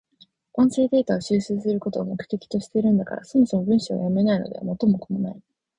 音声データを収集することを目的としているんだから、そもそも文章が読めないのでは元も子もない。